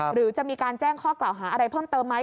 หรือจะมีการแจ้งข้อกล่าวหาอะไรเพิ่มเติมไหม